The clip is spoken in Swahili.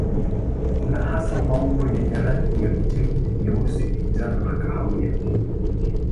Kuna hasa maumbo yenye rangi za kijivu, nyeusi, njano na kahawia.